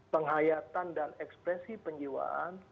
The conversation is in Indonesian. penghayatan dan ekspresi penjiwaan